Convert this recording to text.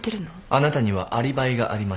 あなたにはアリバイがありました。